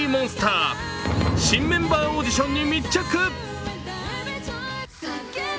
新メンバーオーディションに密着。